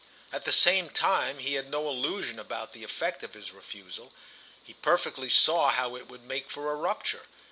At the same time he had no illusion about the effect of his refusal; he perfectly saw how it would make for a rupture.